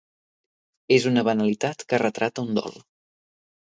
És una banalitat que retrata un dol.